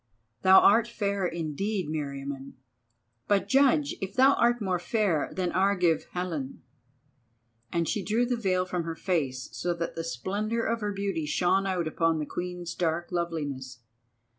Thou art fair indeed, Meriamun, but judge if thou art more fair than Argive Helen," and she drew the veil from her face so that the splendour of her beauty shone out upon the Queen's dark loveliness.